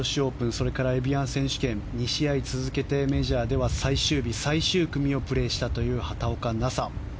それからエビアン選手権２試合続けてメジャーでは最終日最終組をプレーしたという畑岡奈紗。